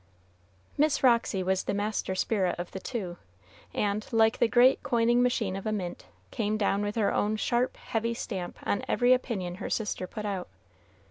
Miss Roxy was the master spirit of the two, and, like the great coining machine of a mint, came down with her own sharp, heavy stamp on every opinion her sister put out.